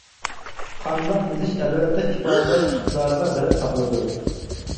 قانداق يېزىش ئەلۋەتتە ئىپادىلەش ئىقتىدارىغا بېرىپ تاقىلىدۇ.